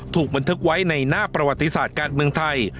ถูกบันทึกไว้ในหน้าประวัติศาสตร์การเมืองไทย